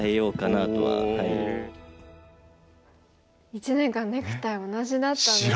１年間ネクタイ同じだったんですね。